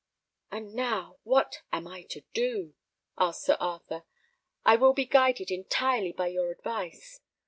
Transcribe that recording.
"And now what am I to do?" asked Sir Arthur. "I will be guided entirely by your advice.